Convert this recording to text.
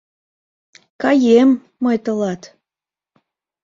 «Каем» мый тылат!